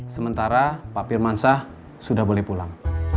sementara pak firmansyah sudah boleh pulang